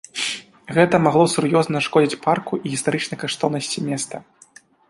Гэта магло сур'ёзна нашкодзіць парку і гістарычнай каштоўнасці места.